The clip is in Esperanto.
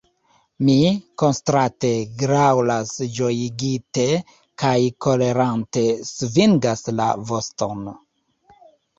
Mi, kontraste, graŭlas ĝojigite kaj kolerante svingas la voston.